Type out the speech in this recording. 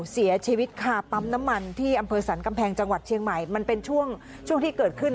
เสียชีวิตคาปั๊มน้ำมันที่อำเภอสรรกำแพงจังหวัดเชียงใหม่มันเป็นช่วงช่วงที่เกิดขึ้น